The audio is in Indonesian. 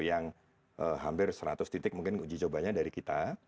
yang hampir seratus titik mungkin uji cobanya dari kita